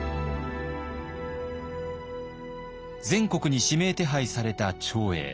全国に指名手配された長英。